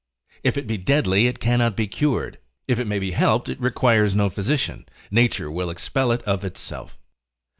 If it be deadly, it cannot be cured; if it may be helped, it requires no physician, nature will expel it of itself.